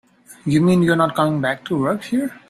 You mean you're not coming back to work here?